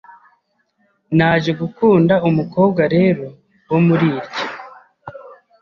Naje gukunda umukobwa rero wo muri iryo